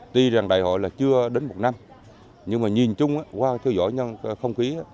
tuy rằng đại hội là chưa đến một năm nhưng mà nhìn chung qua theo dõi không khí